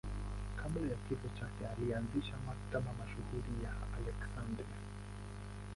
Kabla ya kifo chake alianzisha Maktaba mashuhuri ya Aleksandria.